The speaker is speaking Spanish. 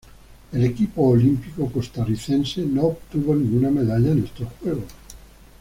El equipo olímpico costarricense no obtuvo ninguna medalla en estos Juegos.